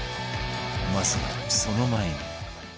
まずはその前に